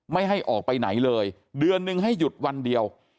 ไม่ให้ออกไปไหนเลยเดือนนึงให้หยุดวันเดียว